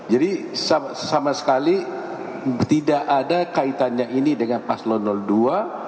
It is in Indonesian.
jadi sama sekali tidak ada kaitannya ini dengan pasel nomor dua